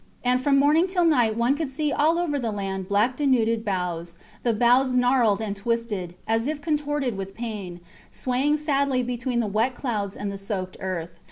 And from morning till night one could see all over the land black denuded boughs, the boughs gnarled and twisted, as if contorted with pain, swaying sadly between the wet clouds and the soaked earth.